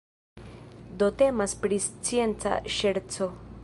Do temas pri scienca ŝerco.